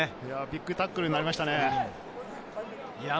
ビッグタックルになりましたね。